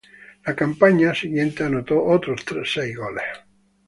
La campaña siguiente anotó otros seis goles.